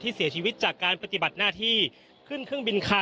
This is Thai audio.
เสียชีวิตจากการปฏิบัติหน้าที่ขึ้นเครื่องบินคา